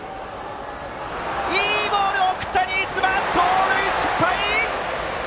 いいボールを送った新妻盗塁失敗！